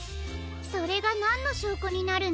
それがなんのしょうこになるんですの？